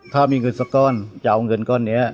ถ้ามีเงินสักก้อนจะเอาเงินก้อนนี้